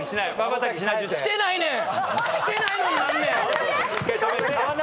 してないねん！